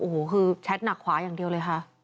โอ้โหคือแชทหนักขวาอย่างเดียวเลยค่ะ